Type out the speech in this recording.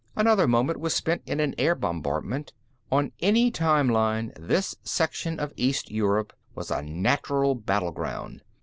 Another moment was spent in an air bombardment. On any time line, this section of East Europe was a natural battleground.